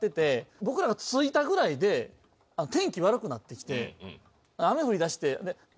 僕らが着いたぐらいで天気悪くなってきて。